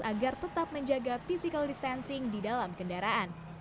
agar tetap menjaga physical distancing di dalam kendaraan